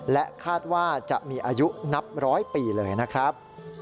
และคาดว่าจะมีอายุนับร้อยปีเลยนะครับ